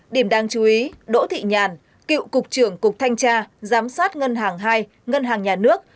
điểm đáng chú ý đỗ thị nhàn cựu cục trưởng cục thanh tra giám sát ngân hàng hai ngân hàng nhà nước